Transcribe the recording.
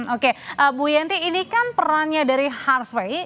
oke bu yenti ini kan perannya dari harvey